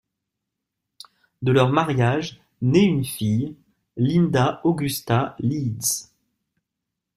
De leur mariage naît une fille, Linda Augusta Leeds.